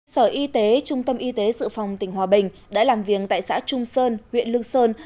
sở y tế trung tâm y tế sự phòng tỉnh hòa bình đã làm việc tại xã trung sơn huyện lương sơn